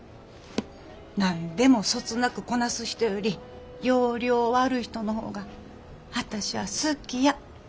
何でもそつなくこなす人より要領悪い人の方が私は好きや。